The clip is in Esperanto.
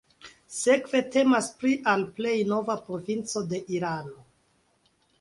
Sekve temas pri al plej nova provinco de Irano.